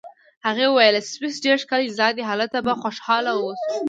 هغې وویل: سویس ډېر ښکلی ځای دی، هلته به خوشحاله واوسو.